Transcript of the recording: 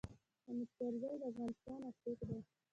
حامد کرزی د افغانستان عاشق دی.